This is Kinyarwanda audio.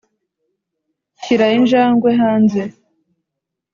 shira injangwe hanze